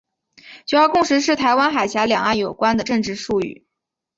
九二共识是与台湾海峡两岸关系有关的政治术语。